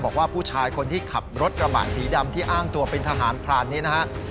บอกว่าผู้ชายคนที่ขับรถกระบะสีดำที่อ้างตัวเป็นทหารพรานนี้นะฮะ